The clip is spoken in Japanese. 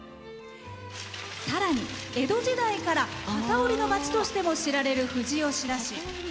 さらに、江戸時代から機織りの町としても知られる富士吉田市。